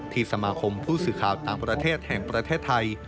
สมาคมผู้สื่อข่าวต่างประเทศแห่งประเทศไทย